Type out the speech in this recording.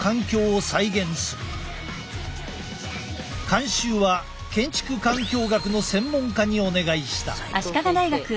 監修は建築環境学の専門家にお願いした。